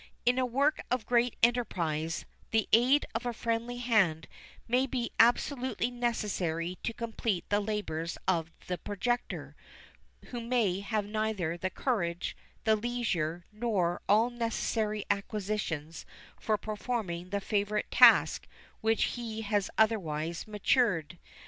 In a work of great enterprise, the aid of a friendly hand may be absolutely necessary to complete the labours of the projector, who may have neither the courage, the leisure, nor all necessary acquisitions for performing the favourite task which he has otherwise matured.